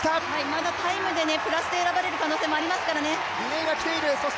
まだタイムでプラスで選ばれる可能性もありますからね。